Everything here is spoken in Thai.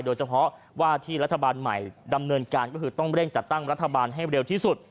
โดยเฉพาะว่าที่รัฐบาลใหม่ดำเนินการก็คือต้องเร่งจัดตั้งรัฐบาลให้เร็วที่สุด